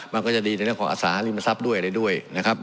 มันก็จะดีในเรื่องของอสังหาริมทรัพย์ด้วยอะไรด้วยนะครับ